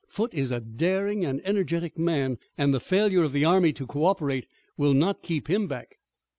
Foote is a daring and energetic man, and the failure of the army to co operate will not keep him back."